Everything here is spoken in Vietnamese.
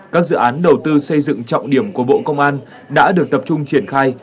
các dự án đầu tư xây dựng trọng điểm của bộ công an đã được tập trung triển khai